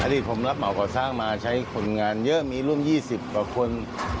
ที่ผมรับเหมาก่อสร้างมาใช้คนงานเยอะมีร่วม๒๐กว่าคน